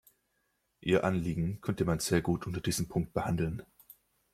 Ihr Anliegen könnte man sehr gut unter diesem Punkt behandeln.